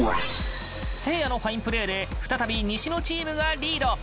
せいやのファインプレーで再び西野チームがリード。